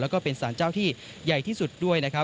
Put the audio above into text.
และก็เป็นสรรเจ้าที่ใหญ่ที่สุดด้วย